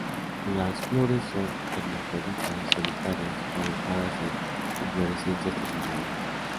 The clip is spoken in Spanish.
Las flores son hermafroditas, solitarias o agrupadas en inflorescencias terminales.